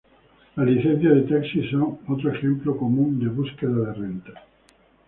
Las licencias de taxi son otro ejemplo común de búsqueda de rentas.